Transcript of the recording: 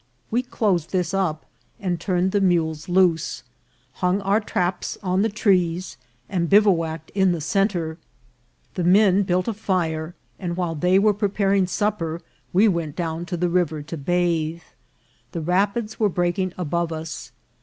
We closed this up, and turned the mules loose, hung our traps on the trees, and bivouacked in the cen tre. The men built a fire, and while they were prepa ring supper we went down to the river to bathe. The rapids were breaking above us.